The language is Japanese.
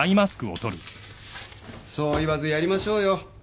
そう言わずやりましょうよ。